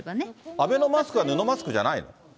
アベノマスクは、布マスクじゃない？